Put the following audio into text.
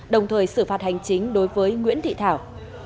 đồng thời xử phạt hành chính đối với nguyễn thị thảo